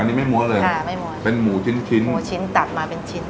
อันนี้ไม่มั้วเลยค่ะไม่มั้ยเป็นหมูชิ้นชิ้นหมูชิ้นตัดมาเป็นชิ้น